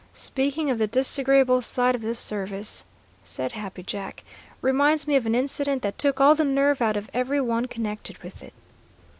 "Speaking of the disagreeable side of this service," said Happy Jack, "reminds me of an incident that took all the nerve out of every one connected with it.